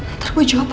ntar gue jawab apa